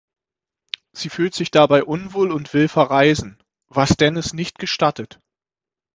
Sie fühlt sich dabei unwohl und will verreisen, was Dennis nicht gestattet.